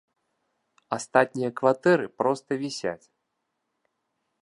Астатнія кватэры проста вісяць.